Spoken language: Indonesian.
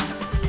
kpu mas pram